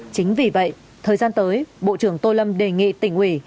chính vì vậy thời gian tới bộ trưởng tô lâm đề nghị tỉnh ủy